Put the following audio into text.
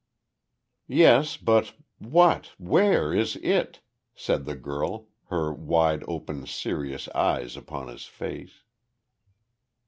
"Yes but what where is it?" said the girl, her wide open, serious eyes upon his face.